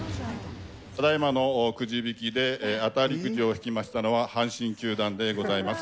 ただいまのくじ引きで当たりくじを引きましたのは阪神球団でございます。